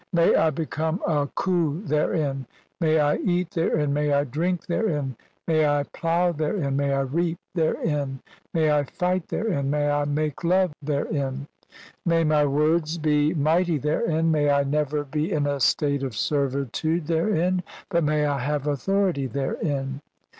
May "I become a Khu therein, may I eat therein, may I "drink therein, may I plough therein, may I reap "therein, may I fight therein, may I make love therein, "may my words be mighty therein, may I never be "in a state of servitude therein, but may I have au thority therein."